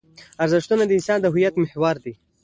ارزښتونه د انسان د هویت محور دي.